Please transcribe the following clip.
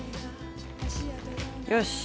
よし！